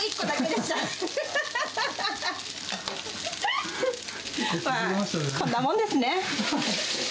まあ、こんなもんですね。